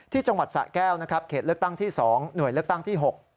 จังหวัดสะแก้วนะครับเขตเลือกตั้งที่๒หน่วยเลือกตั้งที่๖